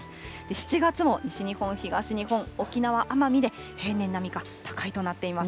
７月も西日本、東日本、沖縄・奄美で平年並みか高いとなっています。